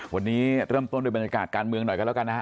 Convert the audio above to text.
วันนี้เริ่มต้นด้วยบรรยากาศการเมืองหน่อยกันแล้วกันนะฮะ